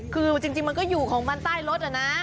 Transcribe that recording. คือจริงมันก็อยู่ของมันใต้รถนะ